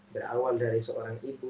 berawal dari seorang ibu